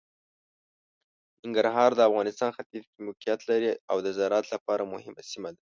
ننګرهار د افغانستان ختیځ کې موقعیت لري او د زراعت لپاره مهمه سیمه ده.